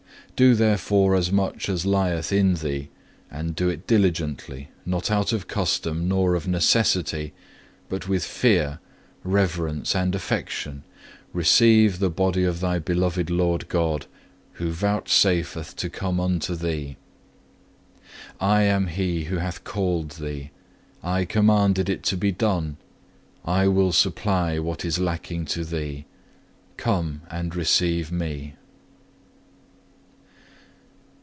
Do therefore as much as lieth in thee, and do it diligently, not of custom, nor of necessity, but with fear, reverence, and affection, receive the Body of thy beloved Lord God, who vouchsafeth to come unto thee. I am He who hath called thee; I commanded it to be done; I will supply what is lacking to thee; come and receive Me.